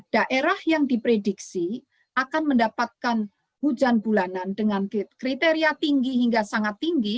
daerah yang diprediksi akan mendapatkan hujan bulanan dengan kriteria tinggi hingga sangat tinggi